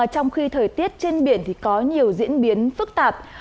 trong khi thời tiết trên biển có nhiều diễn biến phức tạp